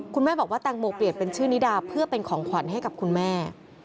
คุณแม่บอกว่าแตงโมเปลี่ยนเป็นชื่อนิดาเพื่อเป็นของขวัญให้กับคุณแม่